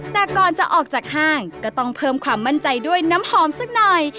แต่ก่อนจะออกจากห้างก็ต้องเพิ่มความมั่นใจด้วยน้ำหอมสักหน่อย